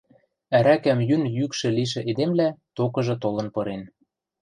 Ӓрӓкӓм йӱн йӱкшӹ лишӹ эдемлӓ токыжы толын пырен